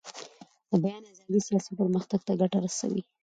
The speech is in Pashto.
د بیان ازادي سیاسي پرمختګ ته ګټه رسوي